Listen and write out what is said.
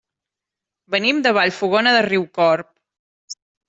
Venim de Vallfogona de Riucorb.